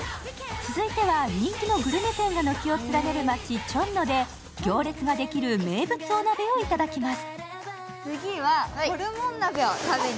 続いては人気のグルメ店が軒を連ねる街・チョンノで行列ができる名物お鍋をいただきます。